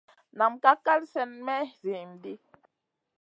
Nam ka slenè may zihim ɗi.